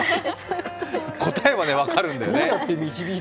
答えは分かるんだよね。